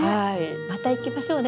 また行きましょうね